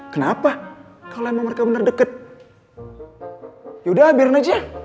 kenapa gue yang kepo ya